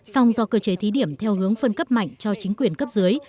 song do cơ chế thí điểm theo hướng phân cấp mạnh cho chính quyền cấp dưới